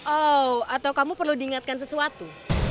oh atau kamu perlu diingatkan sesuatu